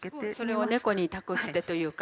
それを猫に託してというか。